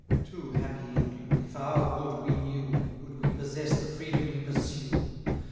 Too happy England, if our good we knew, Would we possess the freedom we pursue!